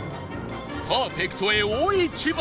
パーフェクトへ大一番！